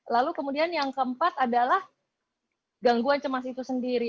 lalu kemudian yang keempat adalah gangguan cemas itu sendiri